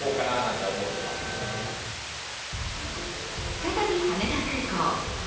再び羽田空港。